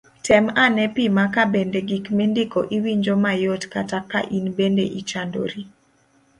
tem ane pima ka bende gik mindiko iwinjo mayot kata ka in bende ichandori